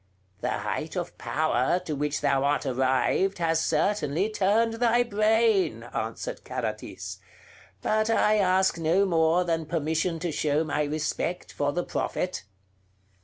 "The height of power to which thou art arrived has certainly turned thy brain," answered Carathis; "but I ask no more than permission to show my respect for the Prophet.